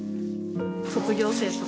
卒業生とか。